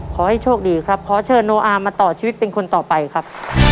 ขอให้โชคดีครับขอเชิญโนอามาต่อชีวิตเป็นคนต่อไปครับ